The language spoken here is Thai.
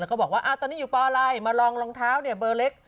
แล้วก็บอกว่าตอนนี้อยู่ปอะไรมาลองรองเท้าเนี่ยเบอร์เล็ก